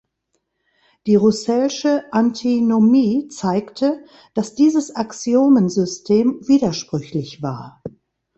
Die Russellsche Antinomie zeigte, dass dieses Axiomensystem widersprüchlich war.